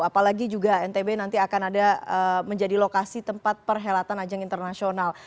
apalagi juga ntb nanti akan ada menjadi lokasi tempat perhelatan ajang internasional